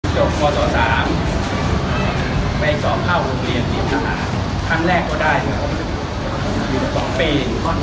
แต่สภาพก็น่าจะมาเข้าทอง